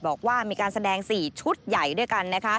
บอกว่ามีการแสดง๔ชุดใหญ่ด้วยกันนะคะ